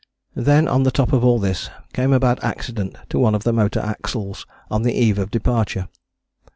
'" Then on the top of all this came a bad accident to one of the motor axles on the eve of departure.